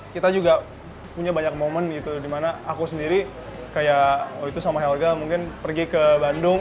kita juga punya banyak momen gitu dimana aku sendiri kayak waktu itu sama helga mungkin pergi ke bandung